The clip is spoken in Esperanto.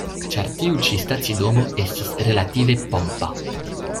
Ĉar tiu ĉi stacidomo estis relative pompa.